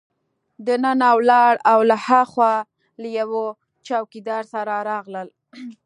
دننه ولاړل او له هاخوا له یوه چوکیدار سره راغلل.